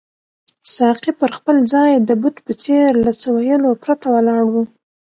ساقي پر خپل ځای د بت په څېر له څه ویلو پرته ولاړ وو.